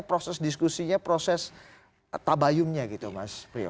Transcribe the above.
proses diskusinya proses tabayumnya gitu mas priyo